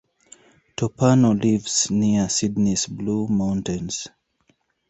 Toppano lives near Sydney's Blue Mountains.